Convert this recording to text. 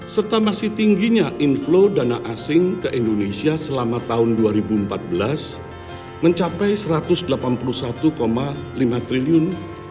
serta masih tingginya inflow dana asing ke indonesia selama tahun dua ribu empat belas mencapai rp satu ratus delapan puluh satu lima triliun